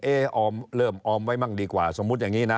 ออมเริ่มออมไว้มั่งดีกว่าสมมุติอย่างนี้นะ